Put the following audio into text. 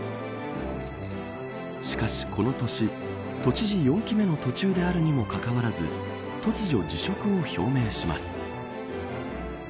しかし、この年都知事４期目の途中であるにもかかわらず突如、辞職を表明します。